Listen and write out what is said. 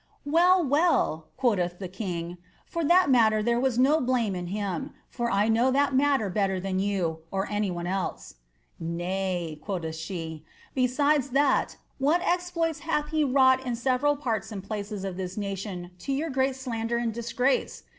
^^ Well, well,' quoth the king, ^ for that matter there was no blame in him, for I know that matter better than you, or any one else.' ^^ Nay,' quoth she, ^ besides that, what exploits hath he wron^i in several parts and places of this nation to your great slander and disgrace